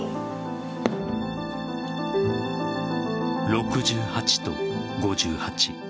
６８と５８。